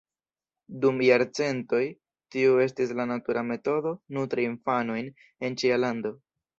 Dum jarcentoj tiu estis la natura metodo nutri infanojn en ĉia lando.